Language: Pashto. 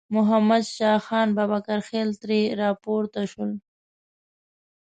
محمد شاه خان بابکرخېل ترې راپورته شول.